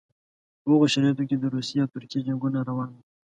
په هغو شرایطو کې د روسیې او ترکیې جنګونه روان وو.